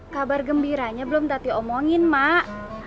kabar gembiranya belum dati omongin mak